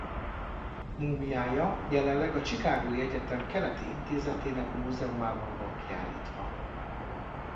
Múmiája jelenleg a Chicagói Egyetem keleti intézetének múzeumában van kiállítva.